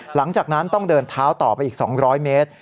หลังจากนั้นต้องเดินเท้าต่อไปอีก๒๐๐เมตร